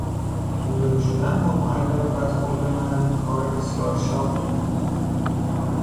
رو به رو شدن با معلم بدخلق من کار بسیار شاقی بود.